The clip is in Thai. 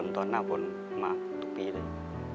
ตอนหน้าฝนมากทุกปีเลย